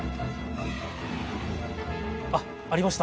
あっありました！